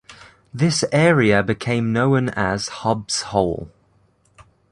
This area became known as "Hobbs Hole".